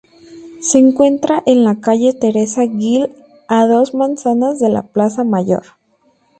Se encuentra en la calle Teresa Gil, a dos manzanas de la Plaza Mayor.